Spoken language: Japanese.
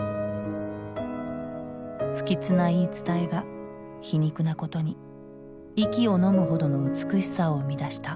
不吉な言い伝えが皮肉なことに息をのむほどの美しさを生み出した。